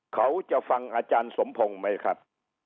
เขาจะฟังอาจารย์สมพงศ์ไหมครับ